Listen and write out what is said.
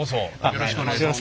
よろしくお願いします。